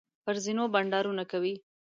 پر زینو بنډارونه کوي.